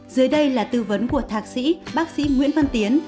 dưới đây là tư vấn của thạc sĩ bác sĩ nguyễn văn tiến